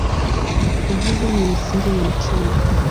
Uvuvi ni msingi wa uchumi.